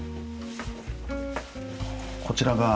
こちらが。